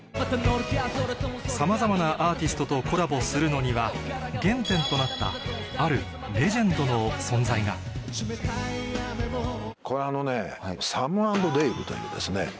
さまざまなアーティストとコラボするのには原点となったあるこれはあのねサム＆デイヴというですね